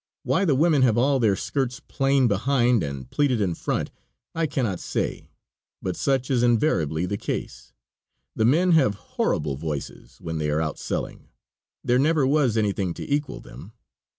Why the women have all their skirts plain behind and pleated in front I cannot say, but such is invariably the case. The men have horrible voices when they are out selling. There never was anything to equal them.